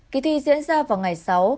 kỳ thi diễn ra vào ngày sáu